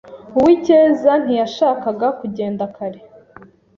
Uwicyeza ntiyashakaga kugenda kare.